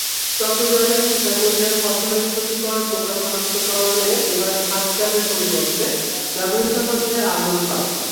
চট্টগ্রামের সীতাকুণ্ডে ফসলের ক্ষতিকর পোকা শনাক্তকরণে এবার হাতজালের পরিবর্তে ব্যবহৃত হচ্ছে আলোর ফাঁদ।